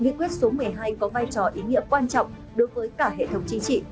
nghị quyết số một mươi hai có vai trò ý nghĩa quan trọng đối với cả hệ thống chính trị